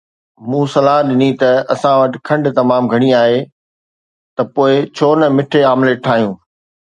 مون صلاح ڏني ته اسان وٽ کنڊ تمام گهڻي آهي ته پوءِ ڇو نه مٺي آمليٽ ٺاهيون